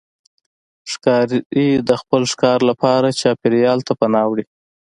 ښکاري د خپل ښکار لپاره چاپېریال ته پناه وړي.